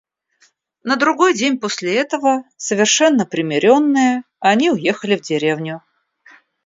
На другой день после этого, совершенно примиренные, они уехали в деревню.